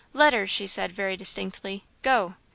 "Letters," she said, very distinctly, "Go!"